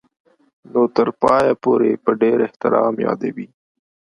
نوم تر پایه پوري په ډېر احترام یادوي.